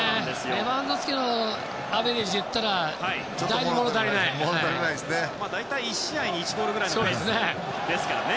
レバンドフスキのアベレージなら大体、１試合に１ゴールくらいですからね